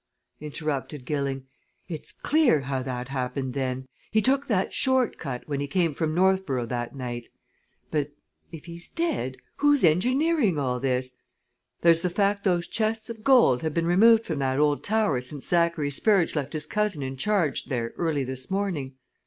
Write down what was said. interrupted Gilling. "It's clear how that happened, then. He took that short cut, when he came from Northborough that night! But if he's dead, who's engineering all this? There's the fact, those chests of gold have been removed from that old tower since Zachary Spurge left his cousin in charge there early this morning.